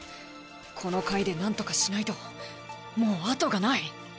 この回でなんとかしないともう後がない！